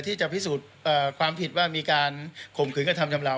ที่จะพิสูจน์ความผิดว่ามีการข่มขืนกระทำชำเหล่า